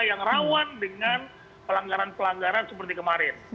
yang rawan dengan pelanggaran pelanggaran seperti kemarin